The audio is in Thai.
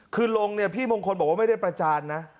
คือลงเนี่ยพี่มงคลบอกว่าไม่ได้ประจานนะ